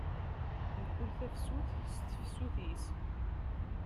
Mkul tafsut s tefsut-is.